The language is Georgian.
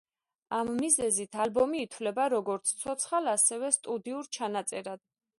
ამ მიზეზით ალბომი ითვლება როგორც ცოცხალ, ასევე სტუდიურ ჩანაწერად.